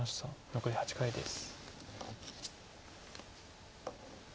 残り８回です。